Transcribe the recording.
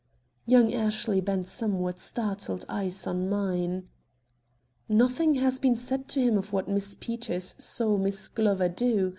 Young Ashley bent somewhat startled eyes on mine. "Nothing has been said to him of what Miss Peters saw Miss Glover do.